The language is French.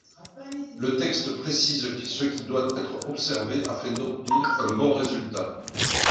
Le texte précise ce qui doit être observé afin d'obtenir un bon résultat.